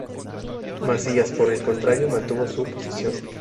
Macías por el contrario mantuvo su posición.